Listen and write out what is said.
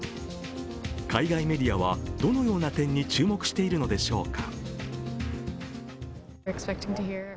海外メディアはどのような点に注目しているのでしょうか。